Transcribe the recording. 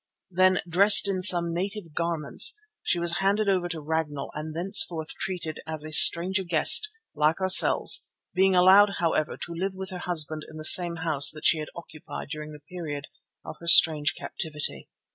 Then, dressed in some native garments, she was handed over to Ragnall and thenceforth treated as a stranger guest, like ourselves, being allowed, however, to live with her husband in the same house that she had occupied during all the period of her strange captivity.